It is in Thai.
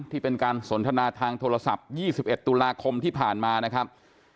ที่เป็นการสนทนาทางโทรศัพท์๒๑ตุลาคมที่ผ่านมานะครับ